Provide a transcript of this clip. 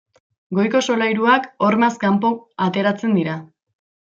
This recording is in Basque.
Goiko solairuak hormaz kanpo ateratzen dira.